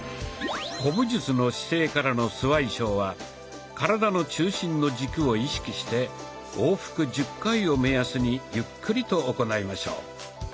古武術の姿勢からのスワイショウは体の中心の軸を意識して往復１０回を目安にゆっくりと行いましょう。